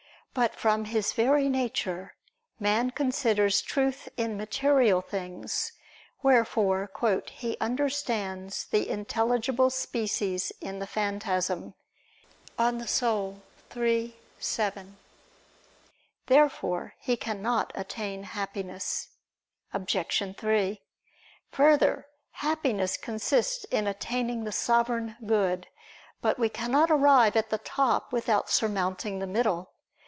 But from his very nature, man considers truth in material things: wherefore "he understands the intelligible species in the phantasm" (De Anima iii, 7). Therefore he cannot attain Happiness. Obj. 3: Further, Happiness consists in attaining the Sovereign Good. But we cannot arrive at the top without surmounting the middle.